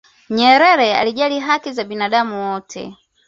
nyerere alijali haki za binadamu wote